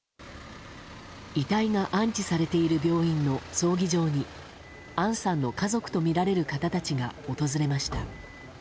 遺体が安置されている病院の葬儀場に杏さんの家族とみられる方たちが訪れました。